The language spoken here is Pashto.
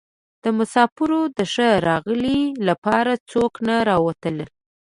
د مسافرو د ښه راغلي لپاره څوک نه راوتل.